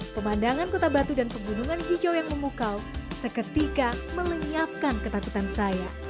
pemandangan kota batu dan pegunungan hijau yang memukau seketika melenyapkan ketakutan saya